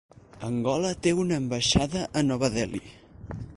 Angola té una ambaixada a Nova Delhi.